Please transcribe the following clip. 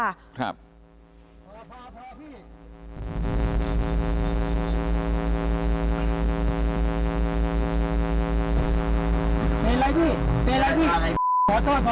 ขอโทษครับขอโทษครับขอโทษครับ